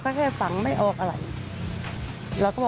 เขาก็เสียจำนวนไม่ได้แล้วนะครับ